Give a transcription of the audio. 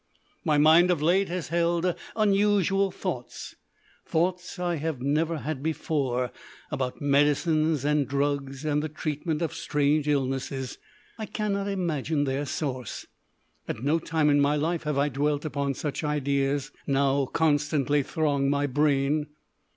My mind of late has held unusual thoughts, thoughts I have never had before, about medicines and drugs and the treatment of strange illnesses. I cannot imagine their source. At no time in my life have I dwelt upon such ideas now constantly throng my brain.